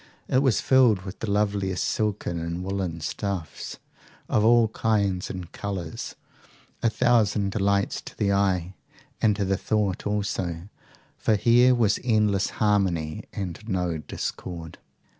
It was filled with the loveliest silken and woollen stuffs, of all kinds and colours, a thousand delights to the eye and to the thought also, for here was endless harmony, and no discord.